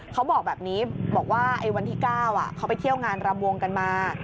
เขาบอกแบบนี้บอกว่าวันที่๙เขาไปเที่ยวงานรำวงกันมา